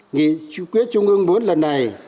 nghị quyết trung ương bốn lần này